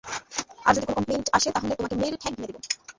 আর যদি তোর কোন কমপ্লেইন্ট আসে তাহলে তোকে মেরে ঠ্যাং ভেঙে দিব।